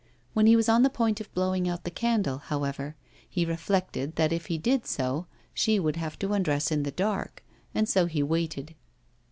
When he was on the point of blowing out the candle, however, he reflected that if he did so she would have to undress in the dark, and so he waited.